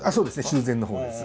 修繕のほうです。